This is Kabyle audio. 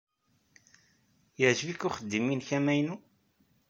Yeɛjeb-ik uxeddim-nnek amaynu?